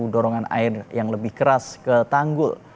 dorongan air yang lebih keras ke tanggul